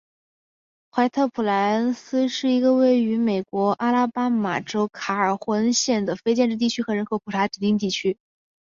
怀特普莱恩斯是一个位于美国阿拉巴马州卡尔霍恩县的非建制地区和人口普查指定地区。